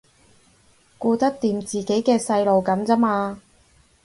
顧得掂自己嘅細路噉咋嘛